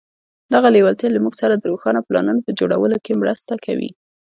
دغه لېوالتیا له موږ سره د روښانه پلانونو په جوړولو کې مرسته کوي.